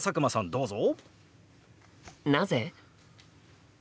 どうぞ。